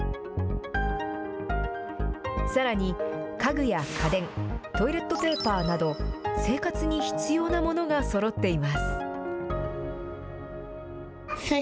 さらに、家具や家電、トイレットペーパーなど、生活に必要なものがそろっています。